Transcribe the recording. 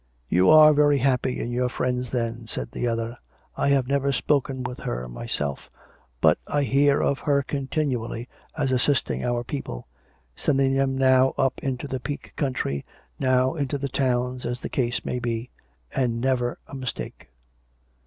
" You are very happy in your friends, then," said the other. " I have never spoken with her myself; but I hear of her continually as assisting our people — sending them now up into the Peak country, now into the towns, as the case may be — and never a mistake."